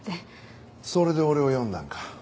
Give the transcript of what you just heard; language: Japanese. それで俺を呼んだんか。